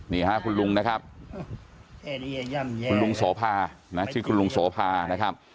นี่ฮะคุณลุงนะครับคุณลุงโสภานะชื่อคุณลุงโสภานะครับ